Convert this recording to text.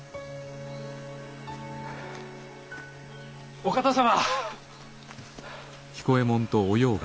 お方様。